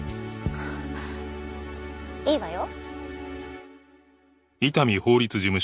いいわよ。